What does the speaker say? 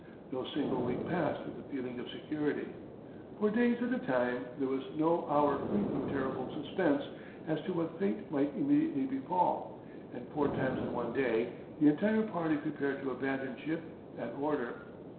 No single week passed with a feeling of security; for days at a time there was no hour free from terrible suspense as to what fate might immediately befall, and four times in one day the entire party prepared to abandon ship at order.